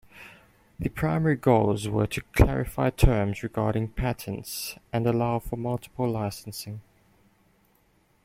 The primary goals were to clarify terms regarding patents and allow for multiple licensing.